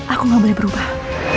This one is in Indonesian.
aku gak boleh berubah